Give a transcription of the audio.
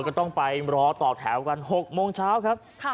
ก็ต้องไปรอต่อแถวกัน๖โมงเช้าครับ